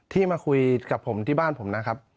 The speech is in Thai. ที่มาคุยกับผมที่บ้านผมนะครับ